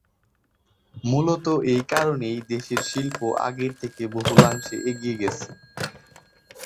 মূলত এই কারণেই দেশের শিল্প আগের থেকে বহুলাংশে এগিয়ে গেছে।